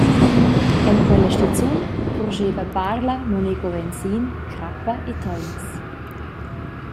En quella stizun purscheva Barla Monego-Venzin crappa e teilas.